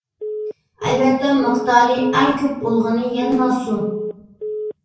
ئەلۋەتتە، مىقدارى ئەڭ كۆپ بولغىنى يەنىلا سۇ.